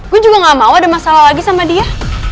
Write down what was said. gue juga gak mau ada masalah lagi sama dia